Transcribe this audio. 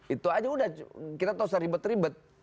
itu aja udah kita gak usah ribet ribet